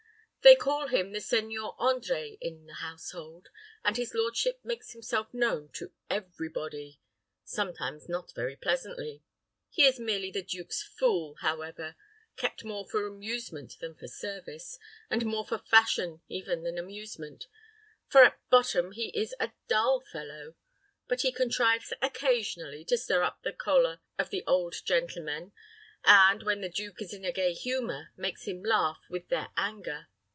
"They call him the Seigneur André in the household, and his lordship makes himself known to every body sometimes not very pleasantly. He is merely the duke's fool, however, kept more for amusement than for service, and more for fashion even than amusement; for at bottom he is a dull fellow; but he contrives occasionally to stir up the choler of the old gentlemen, and, when the duke is in a gay humor, makes him laugh with their anger."